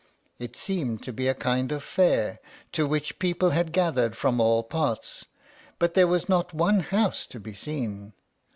It seemed to be a kind of fair, to which people had gathered from all parts; but there was not one house to be seen.